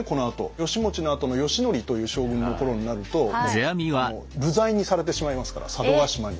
義持のあとの義教という将軍の頃になると流罪にされてしまいますから佐渡島に。